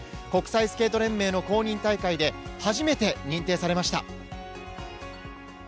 国際スケート連盟の公認大会で初めて認定されました。